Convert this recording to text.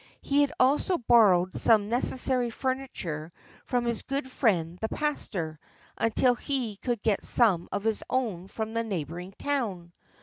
He had also borrowed some necessary furniture from his good friend the pastor, until he could get some of his own from the neighbouring town.